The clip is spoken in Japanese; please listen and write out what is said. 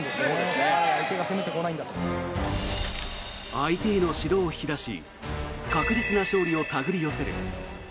相手への指導を引き出し確実な勝利を手繰り寄せる。